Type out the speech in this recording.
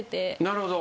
なるほど。